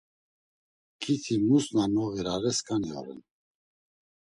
Ǩiti mus na noğirare skani oren.